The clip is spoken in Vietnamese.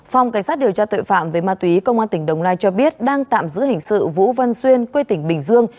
phòng cảnh sát điều tra tội phạm về ma túy công an tỉnh đồng nai cho biết đang tạm giữ hình sự vũ văn xuyên quê tỉnh bình dương